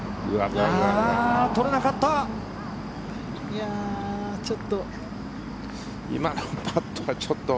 いやあ、ちょっと。